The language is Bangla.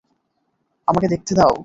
আমাকে দেখতে দাও!